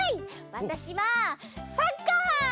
わたしはサッカー！